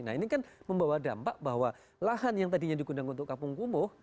nah ini kan membawa dampak bahwa lahan yang tadinya digunakan untuk kampung kumuh